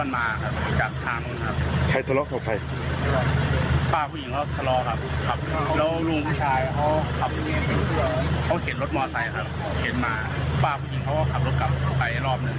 มาป้าผู้หญิงเขาก็ขับรถกลับไปรอบนึง